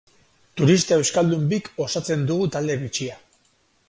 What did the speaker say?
Turista euskaldun bik osatzen dugu talde bitxia.